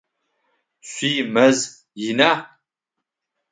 Шъуимэз ина?